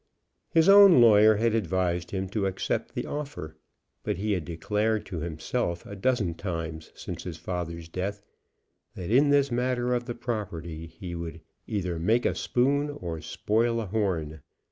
His own lawyer had advised him to accept the offer, but he had declared to himself a dozen times since his father's death that, in this matter of the property, he would "either make a spoon or spoil a horn."